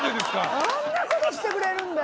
あんなことしてくれる。